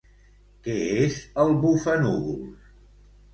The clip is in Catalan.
Què és el Bufanúvols?